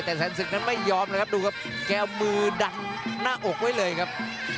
แต่แสนศึกนั้นไม่ยอมเลยครับดูครับแก้วมือดันหน้าอกไว้เลยครับ